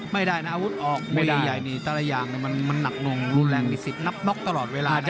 ไม่ได้นะอาวุธออกมวยใหญ่นี่แต่ละอย่างมันหนักหน่วงรุนแรงมีสิทธิ์นับน็อกตลอดเวลานะ